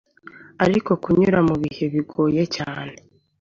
arimo kunyura mubihe bigoye cyane.